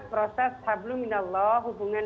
proses hablu minallah hubungan